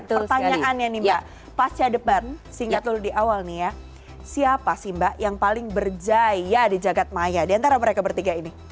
pertanyaannya nih mbak pasca debat singkat dulu di awal nih ya siapa sih mbak yang paling berjaya di jagadmaya di antara mereka bertiga ini